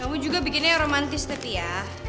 kamu juga bikin yang romantis tapi ya